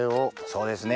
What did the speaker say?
そうですね。